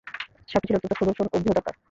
সাপটি ছিল অত্যন্ত সুদর্শন ও বৃহদাকার।